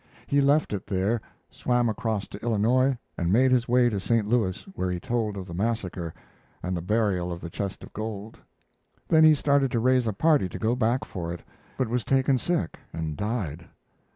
He left it there, swam across to Illinois, and made his way to St. Louis, where he told of the massacre and the burial of the chest of gold. Then he started to raise a party to go back for it, but was taken sick and died.